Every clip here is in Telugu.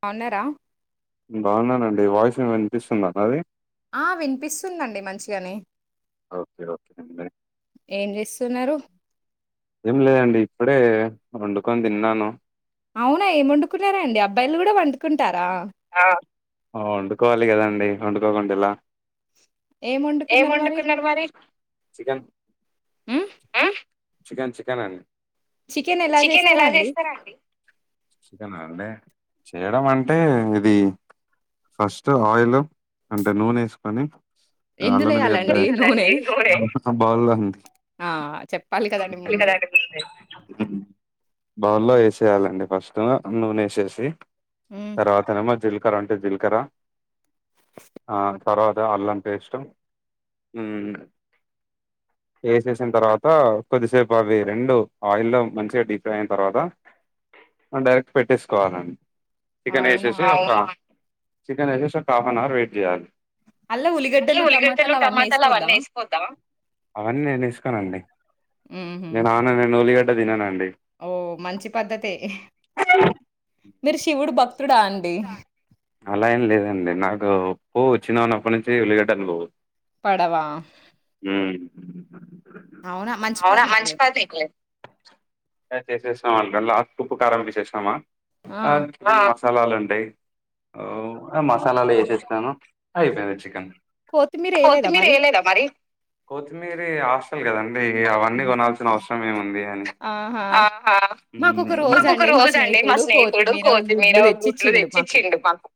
బవున్నారా బావున్నానండి వాయిస్ ఏ వినిపిస్తుంద నాది ఆ వినిపిస్తుందండి మంచిగానే ఏం చేస్తున్నారు ఏం లేదండి ఇప్పుడే వండుకొని తిన్నాను అవునా ఏం వండుకున్నారాండి అబ్బాయిలు కూడా వండుకుంటా రా వండుకోవాలి కదండి వండుకోకుండా ఏలా ఏం వండుకున్నారు మరి చికెన్ ఆ చికెన్ చికెన్ అండి చికెన్ ఎలా చేస్తారాండి చికెన్ ఆ అండి చేయడం అంటే ఇ ఇది ఫస్ట్ ఆయిల్ అంటే నూనె వేసుకొని అల మ [unintelligible] బాగు ఉంది [inaudible] బౌల్లో వేసేయాలండి ఫస్ట్ నూనె వేసేసి తర్వాత న జిల్కరా అంటే జిల్కరా అ తర్వాత అల్లం పేష్టం, మ్ వేసేసిన తర్వాత కొద్దిసేపు అవి రెండు ఆయిల్లో మంచిగా డీప్ ఫ్రై అయిన తర్వాత, డైరెక్ట్ పెట్టేసుకోవాలం అవునా చికెన్ ఎససాక హాఫన్ అవర్ వెయిట్ చేయలి అవన్నీ నే వేసుకోనండి మ్ మ్ ఓ మంచి పద్ధతే అలా ఏం లేదండి నాక్ పో వచ్చినావున్న అప్పటి నుంచి ఉలిగడ్డాలు పడవా అవునా మంచి [unintelligible] చేసేస్తామా అనుకోం త ఉప్పు కారం తీసేస్తామా ఆ మసాలాలు ఉంటాయి ఓ మసాలాలు వసస్తాను అయిపోయింది చికెన్ కొత్తిమీర వెలేదా మరి కొతిమీర కదా అంటే అవన్నీ కొనాల్సినవసరం సమయం ఉంది ఆహా మాకు ఒక రోజు అండి మా స్నేహితుడు కో గుడ్లు తెచ్చిచ్చిండు మాకు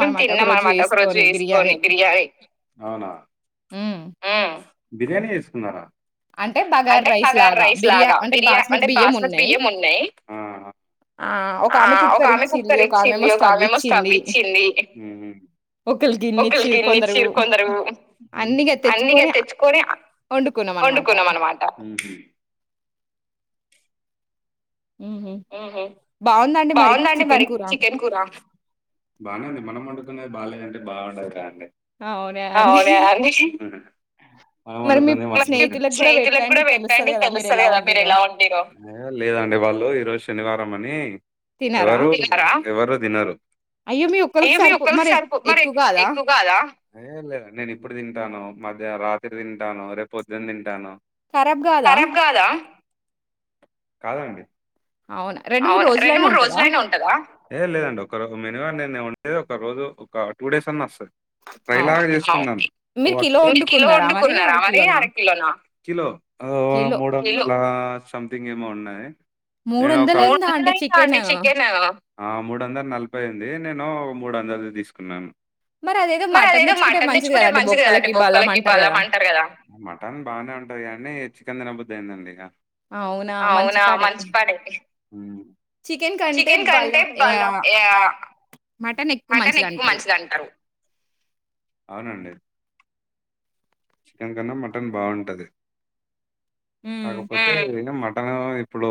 మేము తిన్నాం అన్నమాట ఒక రోజు వేసుకోని బిర్యానీ హ్మ్మ్ బిర్యానీ చేసుకున్నారా అంటే బగార్ రైస్ లాగా బిర్యా అంటే బాస్మతి బియ్యం ఉన్నాయ్ ఆ ఒక ఆమె కుక్కర్ ఇచ్చింది ఒక ఆమెమో స్టవ్ ఇచ్చింది చ్చింది ఒకరు గిన్నిచీరు కొందరు అన్నిగా తెచ్చుకొని వండుకున్నాం అనమాట బానే వుంది మనం వండు కునేది బాలేదంటే బాగుండదు కాదండి అహ మనం వండుకుంది మనం తినలేం, అయ్యో లేదండి వాళ్ళు ఈ రోజు శనివారం అని ఎవరు ఎవరు దినరు ఏం లేదు నేను ఇప్పుడు తింటాను. మధ్యాహం రాత్రి తింటాను రేపు పొద్దున తింటాను కాదండి ఏహ్ లేదండి ఒకరు ఒకమినిమం నేను వండేది ఒక రోజు ఒక టూ డేస్ అన్నా వస్సది ఫ్రైలాగా చేసుకున్నాం కిలో హ్మ్ మూడువందల, సంథింగ్ ఏమో ఉన్నాయి నేన్ ఒక ఆ మూడు వందల నలభై ఉంది నేను మూడు వందలది తీసుకున్నాను మరి అదేదో మటన్ తెచ్చుకుంటే మంచి కదండి బొక్కలకి బంలం అంటరు కదా దేందండి ఇగ అవునా మంచి పనే పడే చికెన్ కంటే బలం యా మటన్ ఎక్కువ మంచిదంటారు అవునండి చికెన్ కన్నా మటన్ బాగుంటది కాపో నేను మట్ టను ఇప్పుడు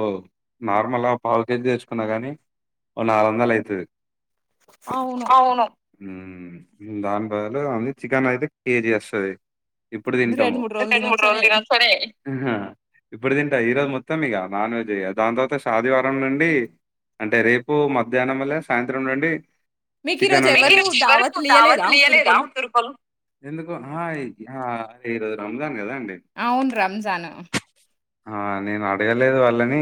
నార్మల్ గా పావు కేజీ తెచ్చుకున్న గాని ఓ నాలు వందలు అయితది అవును హ్మ్ దాని బదుల అంది చికెన్ అయితే కేజీ అస్తది ఇప్పుడు తింటాము అహా ఇప్పుడు తింటా ఈ రోజు మొత్తం ఇగ నాన్ వెజ్ ఇగ దాని తర్వాత శదివారం నుండి అంటే రేపు మధ్యానం మల్లె సాయంత్రం నుండి చికెన్ ఉంటది. ఎందుకు ఆహ ఈ ఆ ఈ రోజు రంజాన్ కదన్ అవున్ రంజాను ఆ నేను అడగలేదు వాళ్ళని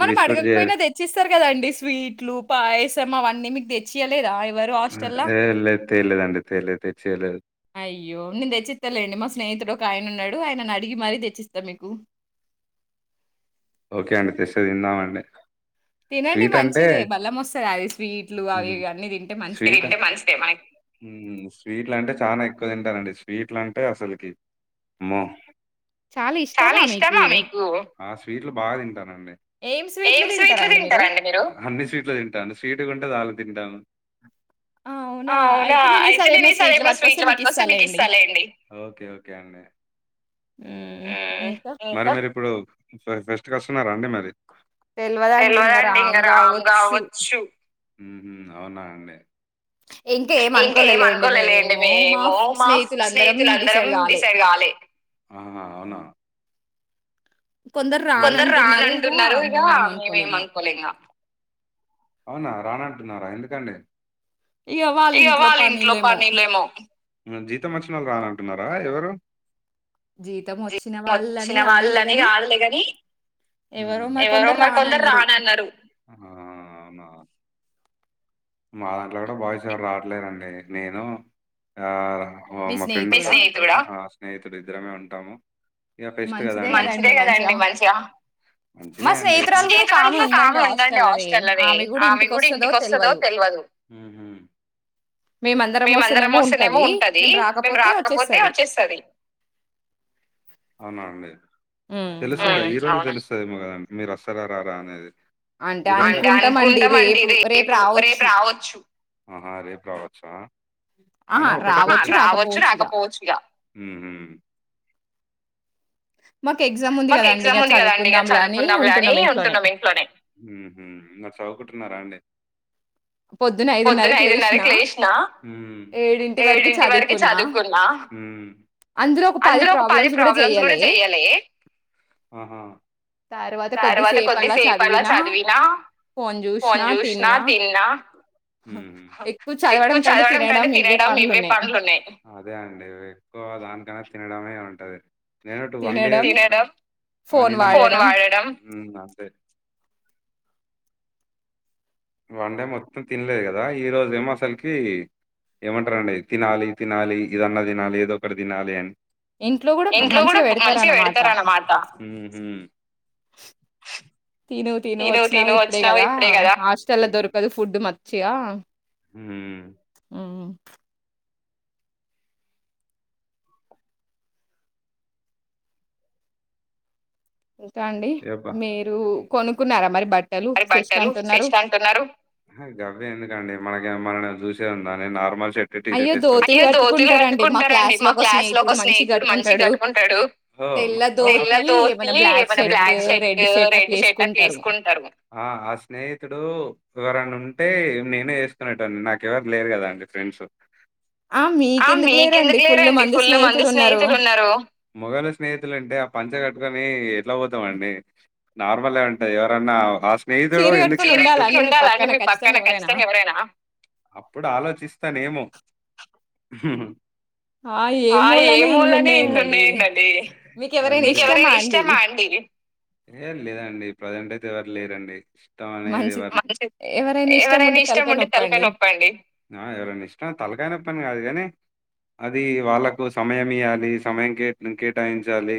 మనం అడగకపోయినా తెచ్చిస్తార్ కదండి స్వీట్లు పాయసం అవన్నీ మీ తెచ్చియల్ లేదా ఎవరు హాస్టల్లా అయ్యో నేన్ తెచ్చితాలేండి మా స్నేహితుడు ఒక ఆయననున్నాడు ఆయననడిగి మరి తెచ్చిస్త మీకు ఓకే అండి తెస్తే తిందామండి స్వీట్ అంటే ము స్వీట్లంటే చానా ఎక్కువ తింటారంండి స్వీట్లంటే అసలకి అమ్మో చాలా ఇష్టమా మీకు ఆ స్వి స్వీట్లు బా తింటాను ఏం స్వీట్లు తింటారండి మీరు అన్ని స్వీట్లు తింటానండి స్వీటుగా ఉంటే చాలు తింటాను అ అవునా అయితే నేను ఈసారేమైనా స్వీట్లు పట్టుకొస్తే మీకు ఇస్తాలేండి ఓకే ఓకే అండి ఆ ఇంకా మరి మీరిపుడు మీరు ఫెస్ట్కొస్తున్నారా అండి మరి తెల్వదండి ఇంగ రామ్ గావచ్చు ఊహు అవునా అండి ఇంకా ఏం అనుకోలేలేండి మేము మా స్నేహితులుందరం డిసైడ్ గాలే ఆహా అవునా కొందర్ రానంటున్నారు ఇగ మేమేమనుకోలే ఇంకా అవునా రానంటున్నారా ఎందుకండి ఇగ వాలింట్లో పనీలేమో జీతమోచినిల్లు గూడ రానింటున్నారా ఎవరు వచ్చిన వాళ్ళని గాదులేగని ఎవరో మరి కొందర్ రానన్నారు మా దాంట్లో కూడా బాయ్స్ ఎవరు రావడలేరండి నేను ఆ ఓ మా ఫ్రెండ్ మీ స్నేహితుడా స్నేహితుడి ఇద్దరమే ఉంటాము ఇగ బెస్ట్ కదండీ మంచిదే కదండి మంచిగా మంచిదే అండి మా స్నేహితురాలు కూడా ఒక ఆమె ఉండండి హాస్టల్లోనే ఆమె కూడా ఇంటికి వస్తదో తెల్వదు మేమ అందరం వస్తేనేమో ఉంటది మేము రాకపోతే వచ్చేస్తది అవునా అండి తెలుస్తుంది ఈరోజే తెలుస్తుంది సే కదండి మీరు వస్తారా రారా అనేది అంటే అనుకుంటామండి రేపు రేపు రావ రేపు రావచ్చు రావచ్చు రాకపోవచ్చు ఇగ ఊహు మరి చదువుకుంటున్నారా అండి పొద్దున్న ఐదున్నరకి లేసిన ఏడింటి వరకి చదువుకున్నా అందులో ఒక పది ప్రాబ్లమ్స్ గూడా చెయ్యాలె ఆహా తర్వాత కొద్దిసేపు అలా చదివినా ఫోన్ జూషినా తిన్నా ఎక్కువ చదవడం కంటే తినడం ఇవే పనులున్నాయి అదే అండి ఎక్కువ దానికన్నా తినడం అవే గదా ఉంటది తినడం ఫోన్ వాడ ఊమ్ అంతే వన్ డే మొత్తం తిన్లేదు కదా ఈ రోజే మో అసలికి ఏమంటారండి తినాలి తినాలి ఇదన్నా తినాలి ఏదొ ఒకటి తినాలి అని ఇంట్లో కూడా మంచిగా పెడతారన్నమాట తిను వచ్చినావు ఇప్పుడే కదా హాస్టల్ లో దొరకదు ఫుడ్ మర్చిగా హూ ఇంకా అండి మీరు కొనుకున్నారా మరి బ [unintelligible] మనల్ని జూసే ఉందా నేను నార్మల్ అయ్యో దోతీలు కట్టుకుంటారండి మా క్లాస్ లో ఒక స్నేహితుడు మంచిగ కట్టుకుంటాడు తెల్ల దోతి ఏమన్నా బ్లాక్ షర్ట్ రెడ్ షర్ట్ అట్ల ఏసుకుంటారు ఆ ఆ స్నేహితుడు ఎవరన్న ఉంటే నేనే ఏసుకునేటోడిని నాకెవరు లేరు గదా అండి ఫ్రెండ్సు ఆ మీకెందుకు లేరండి ఫుల్ మందు స్నేహితులు ఉన్నారు కాని ఎట్లా పోతామండి నార్మల్ గా ఉంటది ఎవరన్నా హాస్ స్నేహితుడు [unintelligible] నా అప్పుడు ఆలోచిస్తాను ఏమో హ ఆ ఏమూలనే ఇన్ని ఉన్నాయ్ ఏందండి మీకు ఎవరైనా ఇష్టమా అండి ఏవరు లేరండి [inaudible] ఇష్టం అనేది ఎవరైనా ఇష్టం ఉంటే తలకాయ్ నొప్పి అండి ఎవరైనా ఇష్టం తలకాయ్ నోప్పీ అని కాదు గని అది వాళ్ళకు సమయం ఇయ్యాలి సమయం కే కేటాయించాలి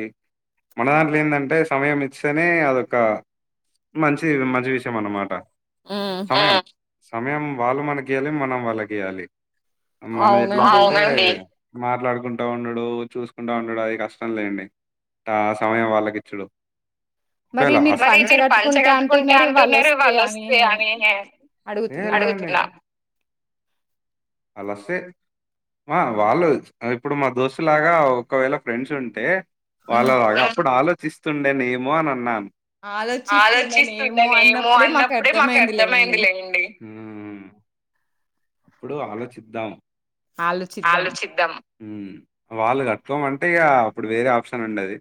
మనదాంట్లో ఏందంటే సమయం ఇస్తేనే అదొక మంచి ఇది మంచి విషయం అన్నమాట ఆ సమయం వాళ్ళు మనకియ్యాలి మనం వాళ్ళకి ఇయ్యాలి మనది ఎట్లా అంటే మాట్లాడుకుంటా ఉండుడు చూస్కుంటా ఉండుడు అది కష్టం లేండి ఆ సమయం వాళ్ళకిచ్చుడు. ఒకేలా అస్తే ఏ లేదండి. అలస్తే మా వాళ్ళు ఇప్పుడు మా దోస్తు లాగా ఒకవేళ ఫ్రెండ్స్ ఉంటే వాళ్లలాగ అప్పుడు ఆలో చిస్తుండేనేమో అని అన్నాన్ ఆలోచిస్తుండేనేమ్ మ్ ఇప్పుడు ఆలోచిద్దాం ఆలోచిద్దమ్ మ్ వాళ్ళు కట్టుకోమంటే ఇగా అప్పుడు వేరే ఆప్షన్ ఉండది.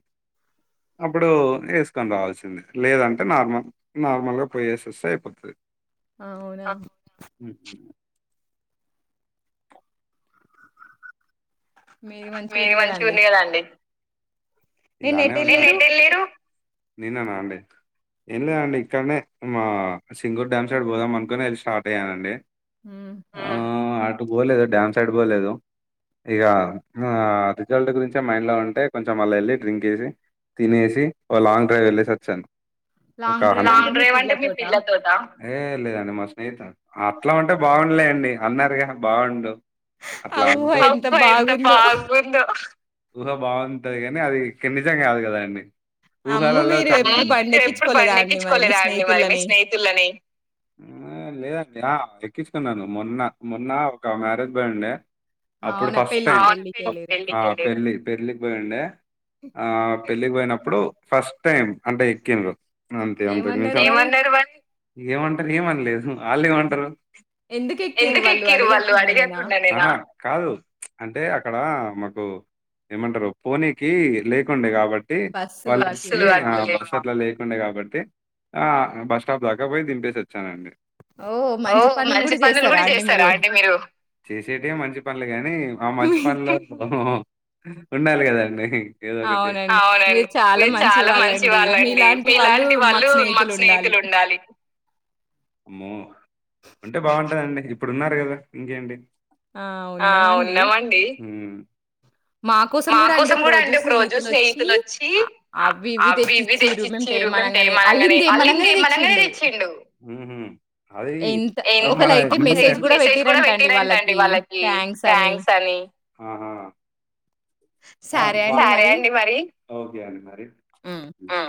అప్పుడు ఏస్కొని రావాల్సిందే లేదంటే నార్మల్ నార్మల్గా పోయేసోస్తే అయిపోతది. అవునా ము చే మీది మంచిగుంది కదండి ఇలానే ఉం నిన్ననా అండి ఏం లేద్ అండి ఇక్కడ్నే మా సింగూర్ డ్యామ్ సైడ్ పోదాం అనుకొని అది స్టార్ట్ అయ్యానండి. మ్ ఆ అటు పోలేదు డ్యామ్ సైడ్ పోలేదు ఇగా ఆ రిజల్ట్ గురించే మైండ్ల ఉంటే కొంచెం అలా ఎళ్ళి డ్రింక్ చేసి తినేసి ఓ లాంగ్ డ్రైవ్ ఎళ్ళేసి వచ్చాను. ఒక హండ్రెడ్ ఏ లేదండి మా స్నేహితడు అట్లా ఉంటే బాగుండు లేండి అన్నారుగా బాగుండు ఆ ఊహ ఎంత బాగుందో అవును ఊహ బాగుంటది కనే అది నిజం కాదు కదండి ఊహాలలో చాలా లేదండి ఎక్కించుకున్నాను మొన్న మొన్న ఒక మ్యారేజ్ బాయ్ ఉండే అవునా పెళ్లి ఆ పె లి పెళ్లికి పోయిండే ఆ పెళ్లికి పోయినప్పుడు ఫస్ట్ టైం అంటే ఎక్కిన్రు అంతే అంతకు మించి ఏమంటారు ఏమనలేదు ఆళ్ళు ఏమంటారు ఎందుకు ఎక్కిరు వాళ్ళు అడిగకుండా నేనా కాదు తే అక్కడ మాకు ఏమంటారు పోనీకి లేకుండే కాబ టి వాళ్ళ అస్సల [unintelligible] ఉండే కాబట్టి ఆ బస్ స్టాప్ దాకా పోయి దింపేసి వచ్చానండి. ఓ మంచి పనులు కూడా చేస్తారా అండి మీరు చేసేటే మంచి పనులు గాని మంచి పనులు ఊహ్హ్ ఉండాలి కదండి. ఏదోకటి అవునండి మీరు చాలా మంచి వాళ్ళండి మీలాంటి వాళ్ళు మాకు స్నేహితులు ఉండాలి మొ ఉంటే బాగుంటదండి. ఇప్పుడున్నారు కదా ఇంకేంటి ఆ ఉన్నమ ఉన్నమండి ఉ మా కోసం కూడా అండి ఒక రోజు స్నేహితులు వచ్చి అవి ఇవి తెచ్చిచ్చిరు మేం తేమనగానే వాళ్ళు మేం తేమనగానే తెచ్చిండు ఊహు అది [unintelligible] మెసేజ్ కూడా పెట్టిరంటండి వాళ్ళకి. థ్యాంక్స్ అని ఆహా ఆ బ సరే అండి మరి ఓకే అండి మరి ఆ